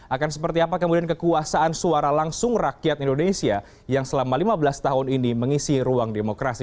akan seperti apa kemudian kekuasaan suara langsung rakyat indonesia yang selama lima belas tahun ini mengisi ruang demokrasi